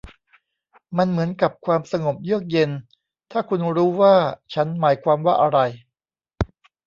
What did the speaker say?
มันเหมือนกับความสงบเยือกเย็น ถ้าคุณรู้ว่าฉันหมายความว่าอะไร